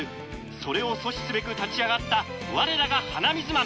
それを阻止すべく立ち上がった我らが鼻水マン！